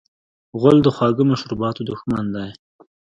غول د خواږه مشروباتو دښمن دی.